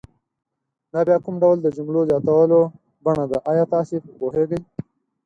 دا بیا کوم ډول د جملو زیاتولو بڼه ده آیا تاسې په پوهیږئ؟